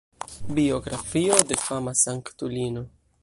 Biografio de fama sanktulino.